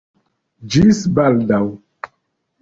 Ĝis baldaŭ.